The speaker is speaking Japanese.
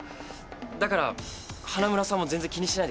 だから花村さんも全然気にしないでください。